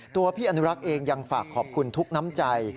ตัวพี่อนุรักษ์เองยังฝากขอบคุณทุกน้ำใจ